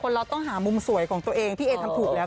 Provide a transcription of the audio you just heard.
คุณเราต้องหามุมสวยของตัวเองที่เขาทำผลแล้วค่ะ